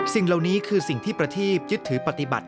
สิ่งเหล่านี้คือสิ่งที่ประทีปยึดถือปฏิบัติ